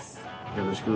よろしく。